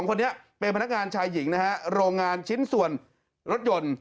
คนนี้เป็นพนักงานชายหญิงนะฮะโรงงานชิ้นส่วนรถยนต์